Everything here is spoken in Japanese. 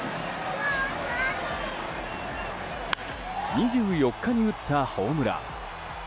２４日に打ったホームラン。